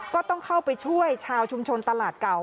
ก็ต้องเข้าไปช่วยชาวชุมชนตลาดเก่า